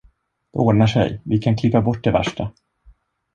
Det ordnar sig, vi kan klippa bort det värsta!